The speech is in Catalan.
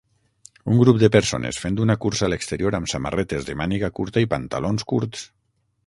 Un grup de persones fent una cursa a l'exterior amb samarretes de màniga curta i pantalons curts.